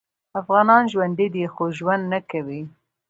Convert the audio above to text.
افغانان ژوندي دي خو ژوند نکوي